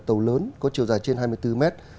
tàu lớn có chiều dài trên hai mươi bốn mét